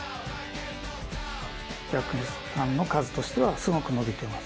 お客さんの数としてはすごく伸びています。